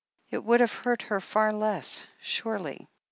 It would have hurt her far less, surely.